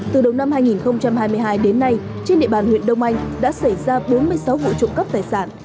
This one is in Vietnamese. từ đầu năm hai nghìn hai mươi hai đến nay trên địa bàn huyện đông anh đã xảy ra bốn mươi sáu vụ trộm cắp tài sản